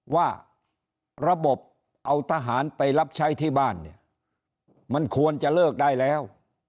ว่าระบบเอาทหารไปรับใช้ที่บ้านเนี่ยมันควรจะเลิกได้แล้ว